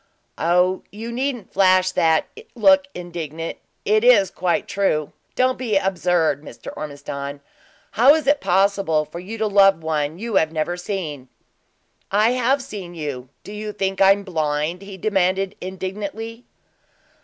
"Oh, you needn't flash and look indignant; it is quite true! Don't be absurd, Mr. Ormiston. How is it possible for you to love one you have never seen?" "I have seen you. Do you think I am blind?" he demanded, indignantly.